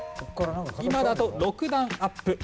今だと６段アップ。